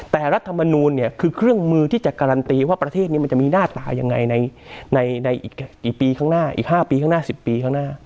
แต่รัฐมนูลเนี่ยคือเครื่องมือที่จะการันตีว่าประเทศนี้มันจะมีหน้าตายังไงในอีกกี่ปีข้างหน้าอีก๕ปีข้างหน้า๑๐ปีข้างหน้า